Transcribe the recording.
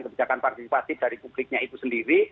kebijakan partisipasi dari publiknya itu sendiri